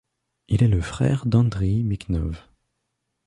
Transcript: Il est le frère d'Andriï Mikhnov.